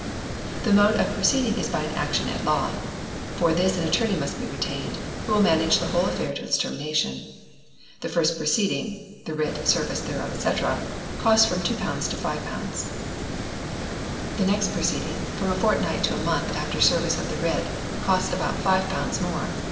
The mode of proceeding is by an action at law. For this an attorney must be retained, who will manage the whole affair to its termination. The first proceeding (the writ, service thereof, &c.) costs from £2 to £5. The next proceeding from a fortnight to a month after service of the writ costs about £5 more.